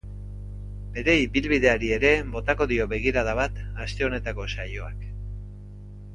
Bere ibilbideari ere botako dio begirada bat aste honetako saioak.